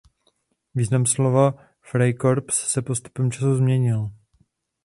Význam slova Freikorps se postupem času změnil.